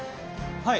はい。